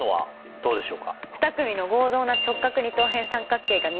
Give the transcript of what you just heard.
どうでしょう？